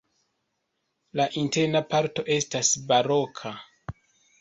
La interna parto estas baroka.